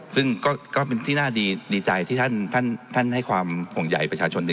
ซึ่งก็เป็นที่น่าดีใจที่ท่านให้ความห่วงใหญ่ประชาชน